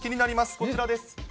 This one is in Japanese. こちらです。